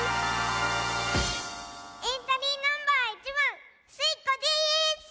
エントリーナンバー１ばんスイ子です！